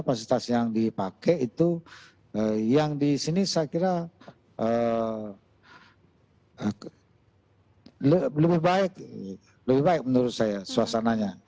fasilitas yang dipakai itu yang di sini saya kira lebih baik lebih baik menurut saya suasananya